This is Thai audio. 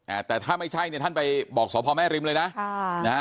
อ่าแต่ถ้าไม่ใช่เนี่ยท่านไปบอกสพแม่ริมเลยนะค่ะนะฮะ